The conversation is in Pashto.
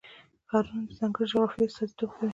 ښارونه د ځانګړې جغرافیې استازیتوب کوي.